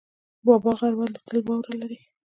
بابا غر ولې تل واوره لري؟